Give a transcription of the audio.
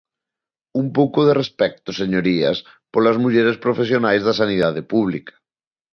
Un pouco de respecto, señorías, polas mulleres profesionais da sanidade pública.